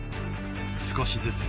［少しずつ。